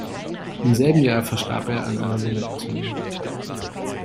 Im selben Jahr verstarb er an einer Lungenentzündung.